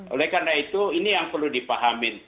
oleh karena itu ini yang perlu dipahamin